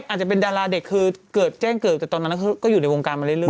อาจจะเป็นดาราเด็กคือเกิดแจ้งเกิดแต่ตอนนั้นก็อยู่ในวงการมาเรื่อย